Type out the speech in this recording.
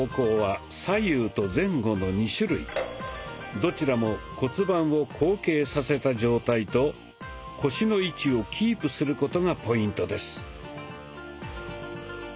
どちらも骨盤を後傾させた状態と腰の位置をキープすることがポイントです。